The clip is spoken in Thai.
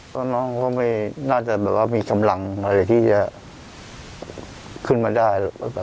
เพราะน้องก็ไม่น่าจะแบบว่ามีกำลังอะไรที่จะขึ้นมาได้